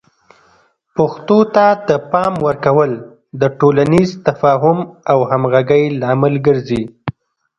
پښتو ته د پام ورکول د ټولنیز تفاهم او همغږۍ لامل ګرځي.